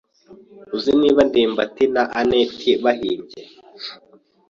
Uzi niba ndimbati na anet bahimbye?